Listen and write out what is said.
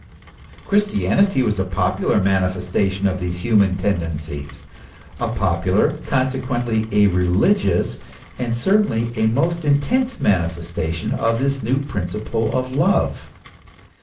Christianity was a peculiar manifestation of these human tendencies ; a popular, consequently a religious, and certainly a most intense manifestation of this new principle of love.